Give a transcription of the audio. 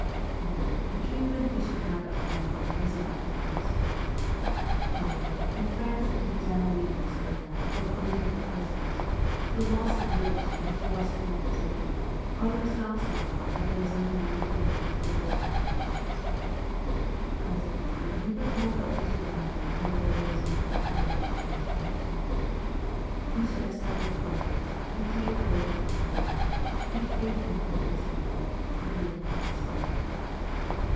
Now, the treatment we should have at Clair vaux was an open question. However, in France it is generally understood that, for political prisoners, the loss of liberty and forced inactivity are in themselves 272 MEMOIRS OF A REVOLUTIONIST so hard that there is no need to inflict additional hard ships. Consequently, we were told that we should remain under the regime of preliminary detention. We should have separate quarters, retain our own clothes, be free from compulsory work, and be allowed to smoke.